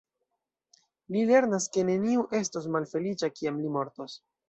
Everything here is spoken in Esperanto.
Li lernas ke neniu estos malfeliĉa kiam li mortos.